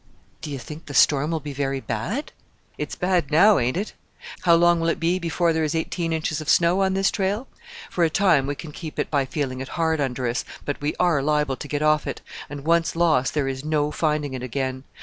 "Do you think the storm will be very bad?" "It's bad now, ain't it? How long will it be before there is eighteen inches of snow on this trail? For a time we can keep it by feeling it hard under us; but we are liable to get off it and once lost, there is no finding it again.